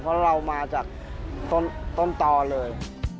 เพราะเรามาจากต้นต่อเลย